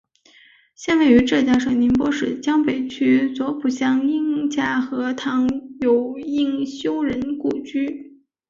现位于浙江省宁波市江北区乍浦乡应家河塘有应修人故居。